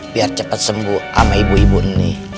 biar cepat sembuh sama ibu ibu ini